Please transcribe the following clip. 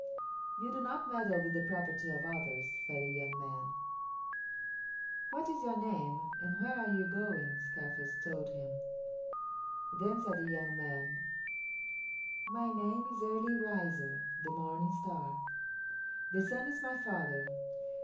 "You do not meddle with the property of others," said the young man. "What is your name, and where are you going?" Scarface told him. Then said the young man, "My name is Early Riser (the morning star). The Sun is my father.